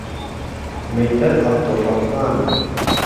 مەيتهر عهبدوڕڕهحمانه